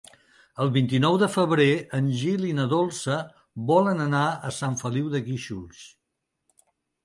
El vint-i-nou de febrer en Gil i na Dolça volen anar a Sant Feliu de Guíxols.